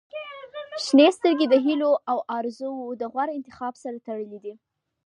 • شنې سترګې د هیلو او آرزووو د غوره انتخاب سره تړلې دي.